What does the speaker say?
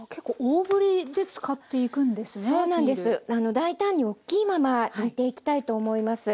大胆におっきいままむいていきたいと思います。